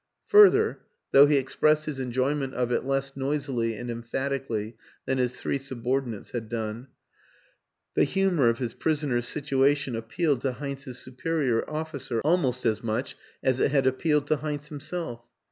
Further though he expressed his enjoy ment of it less noisily and emphatically than his three subordinates had done the humor of his prisoner's situation appealed to Heinz's superior officer almost as much as it had appealed to Heinz himself.